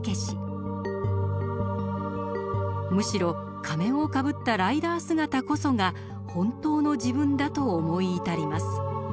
むしろ仮面をかぶったライダー姿こそが「ほんとうの自分」だと思い至ります。